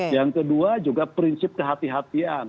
yang kedua juga prinsip kehatian